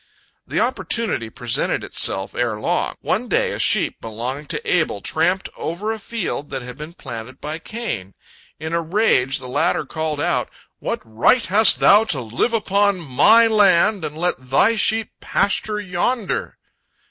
The opportunity presented itself ere long. One day a sheep belonging to Abel tramped over a field that had been planted by Cain. In a rage, the latter called out, "What right hast thou to live upon my land and let thy sheep pasture yonder?"